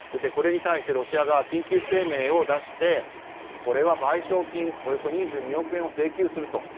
これに対してロシア側は緊急声明を出してこれは賠償金およそ２２億円を請求すると。